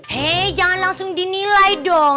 hei jangan langsung dinilai dong